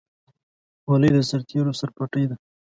خولۍ د سرتېرو سرپټۍ ده.